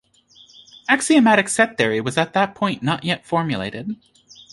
Axiomatic set theory was at that point not yet formulated.